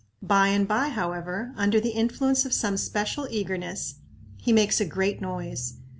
By and by, however, under the influence of some special eagerness, he makes a great noise.